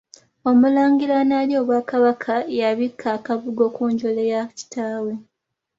Omulangira analya Obwakabaka y’abikka akabugo ku njole ya kitaawe.